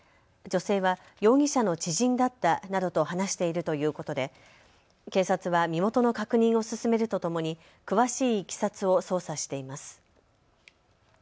女性は容疑者の知人だったなどと話しているということで警察は身元の確認を進めるとともに詳しいいきさつを捜査しています。